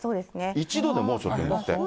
１度で猛暑っていうんですって。